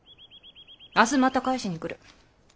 明日また返しに来る。